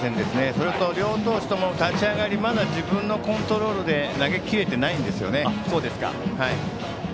それと両投手とも立ち上がりまだ自分のコントロールで投げ切れていないんですね。